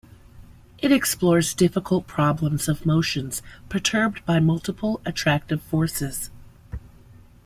It explores difficult problems of motions perturbed by multiple attractive forces.